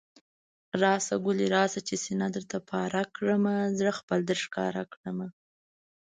راشه ګلي راشه، چې سينه درته پاره کړمه، زړه خپل درښکاره کړمه